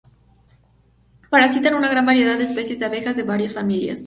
Parasitan una gran variedad de especies de abejas de varias familias.